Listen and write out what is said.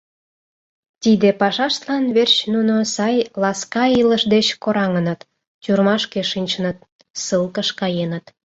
Тиде пашаштлан верч нуно сай, ласка илыш деч кораҥыныт, тюрьмашке шинчыныт, ссылкыш каеныт.